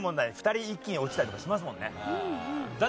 ２人一気に落ちたりとかしますもんね。